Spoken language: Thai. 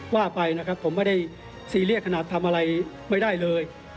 ว่าไปนะครับผมไม่ได้ซีเรียสขนาดทำอะไรไม่ได้เลย